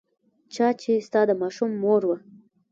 چا چې ستا د ماشوم مور وه.